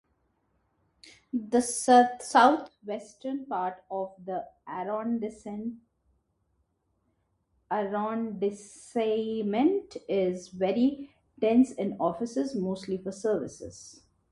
The southwestern part of the arrondissement is very dense in offices, mostly for services.